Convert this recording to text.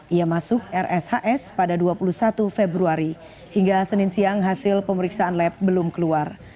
ia masuk rshs pada dua puluh satu februari hingga senin siang hasil pemeriksaan lab belum keluar